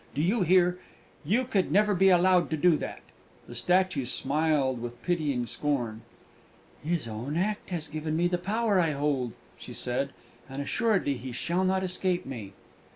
Do you hear? You could never be allowed to do that!" The statue smiled with pitying scorn. "His own act has given me the power I hold," she said, "and assuredly he shall not escape me!"